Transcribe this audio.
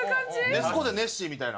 ネス湖でネッシーみたいな。